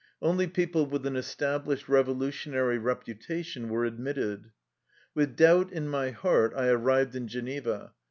Only people with an established revolution ary reputation were admitted. With doubt in my heart I arrived in Geneva.